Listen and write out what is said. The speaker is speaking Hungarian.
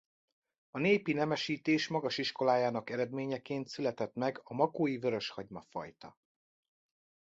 A népi nemesítés magas iskolájának eredményeként született meg a makói vöröshagyma-fajta.